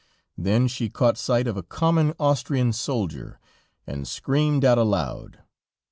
Then, she caught sight of a common Austrian soldier and screamed out aloud.